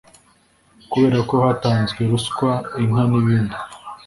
kubera ko hatanzwe ruswa inka n’ibindi